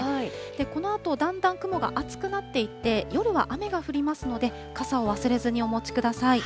このあと、だんだん雲が厚くなっていって、夜は雨が降りますので、傘を忘れずにお持ちください。